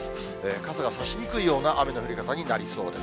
傘が差しにくいような雨の降り方になりそうです。